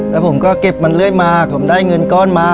แล้วผมก็เก็บมันเรื่อยมาผมได้เงินก้อนมา